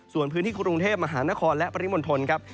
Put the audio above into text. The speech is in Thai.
ส่วนพื้นที่กรุงเทพมหานครและปริมณฑลครับ